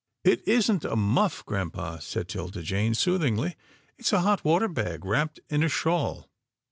" It isn't a muff, grampa," said 'Tilda Jane soothingly, " it's a hot water bag wrapped in a shawl."